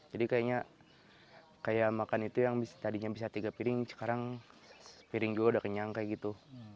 jadi kayaknya kayak makan itu yang tadinya bisa tiga piring sekarang satu piring juga udah kenyang kayak gitu